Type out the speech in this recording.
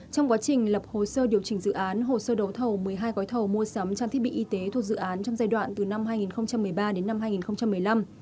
trong quá trình lập hồ sơ điều chỉnh dự án hồ sơ đấu thầu một mươi hai gói thầu mua sắm trang thiết bị y tế thuộc dự án trong giai đoạn từ năm hai nghìn một mươi ba đến năm hai nghìn một mươi năm